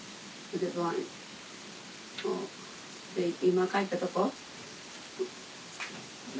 今帰ったとこ？